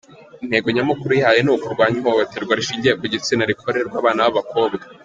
Intego nyamukuru yihaye ni ukurwanya ihohoterwa rishingiye ku gitsina rikorerwa abana b’abakobwa.